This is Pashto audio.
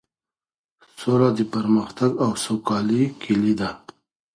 سوله د پرمختګ او سوکالۍ کيلي ده.